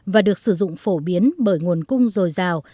và được sử dụng phổ biến bởi nguồn cung dồi dào